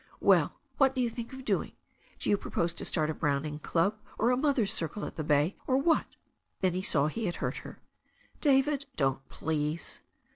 "Well, what do you think of doing? Do you propose to start a Browning club or a mothers' circle at the bay, or what?" Then he saw he had hurt her. "David, don't, please."